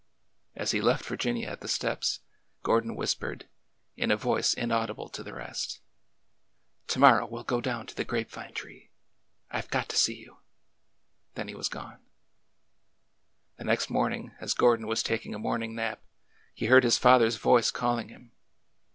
As he left Virginia at the steps, Gordon whispered, in a voice inaudible to the rest, " To morrow we fll go down to the grape vine tree. I Ve got to see you 1 Then h^ was gone. The next morning, as Gordon was taking a morning nap, he heard his father's voice calling him.